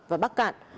và bắc cạn